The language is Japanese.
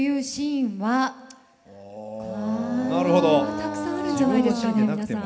たくさんあるんじゃないですか皆さん。